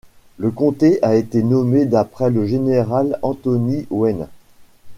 Le comté a été nommé d'après le général Anthony Wayne.